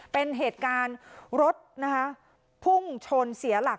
เป็นเหตุการณ์รถนะคะพุ่งชนเสียหลัก